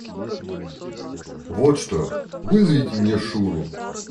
Вот что, вызовите мне Шуру.